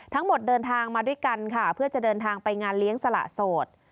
เดินทางมาด้วยกันค่ะเพื่อจะเดินทางไปงานเลี้ยงสละโสด